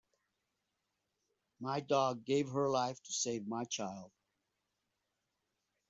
My dog gave her life to save my child.